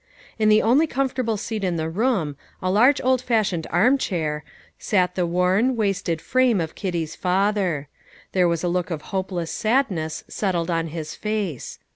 In the only comfortable seat in the room, a large old fashioned arm chair, sat the worn, wasted frame of Kitty's father. There was a look of hopeless sadness settled on his face.